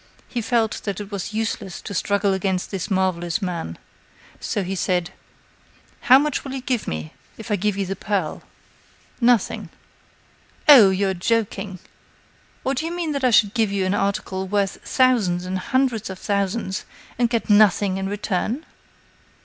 He felt that it was useless to struggle against this marvelous man. So he said: "How much will you give me, if I give you the pearl?" "Nothing." "Oh! you are joking! Or do you mean that I should give you an article worth thousands and hundreds of thousands and get nothing in return?"